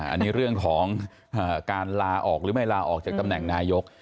อันนี้เรื่องของการลาออกหรือไม่ลาออกจากตำแหน่งนายก